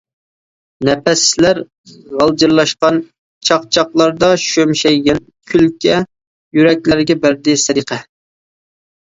نەپەسلەر غالجىرلاشقان چاقچاقلاردا شۈمشەيگەن كۈلكە، يۈرەكلەرگە بەردى سەدىقە.